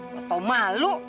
kau tahu malu